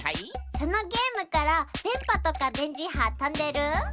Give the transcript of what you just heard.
そのゲームからでんぱとかでんじはとんでる？